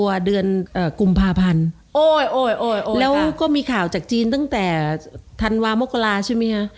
ด้วยอ่ากรุมพาพันธุ์โอ้ยโอ้ยโอ้ยโอ้ยแล้วก็มีข่าวจากจีนตั้งแต่ใช่ไหมฮะอืม